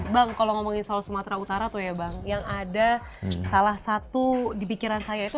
bang kalau ngomongin soal sumatera utara tuh ya bang yang ada salah satu di pikiran saya itu